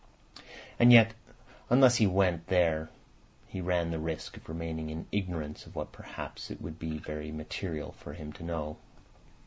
And yet unless he went there he ran the risk of remaining in ignorance of what perhaps it would be very material for him to know.